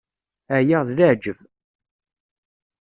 Ԑyiɣ d leεǧeb.